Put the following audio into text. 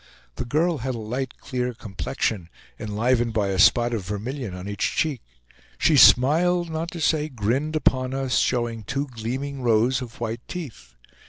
The girl had a light clear complexion, enlivened by a spot of vermilion on each cheek; she smiled, not to say grinned, upon us, showing two gleaming rows of white teeth.